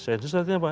sensus artinya apa